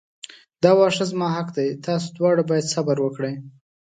دا واښه زما حق دی تاسو دواړه باید صبر وکړئ.